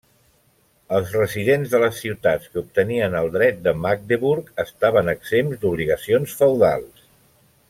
Els residents de les ciutats que obtenien el Dret de Magdeburg estaven exempts d'obligacions feudals.